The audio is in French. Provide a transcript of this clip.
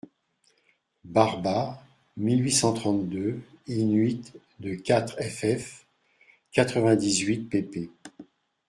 Barba, mille huit cent trente-deux, in-huit de quatre ff., quatre-vingt-dix-huit pp.